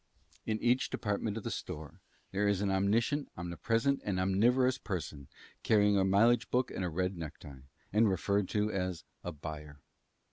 In each department of the store there is an omniscient, omnipresent, and omnivorous person carrying always a mileage book and a red necktie, and referred to as a "buyer."